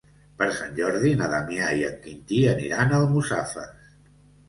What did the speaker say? Per Sant Jordi na Damià i en Quintí aniran a Almussafes.